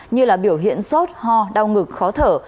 như là biểu hiện sốt ho đau ngực khó thở